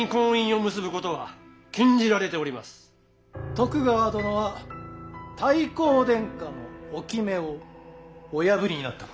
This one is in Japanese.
徳川殿は太閤殿下の置目をお破りになったことに。